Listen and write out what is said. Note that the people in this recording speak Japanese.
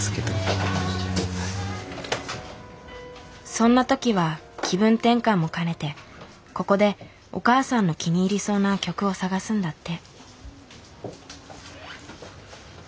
そんな時は気分転換も兼ねてここでお母さんの気に入りそうな曲を探すんだって。